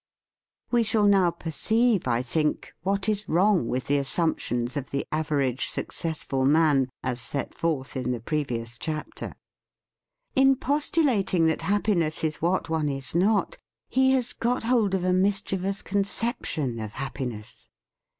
4: * Hi * We shall now perceive, I think, what is wrong with the assumptions of the average successful man as set forth in the previous chapter. In postulating that happiness is what one is not, he has got hold of a mischievous conception of happiness.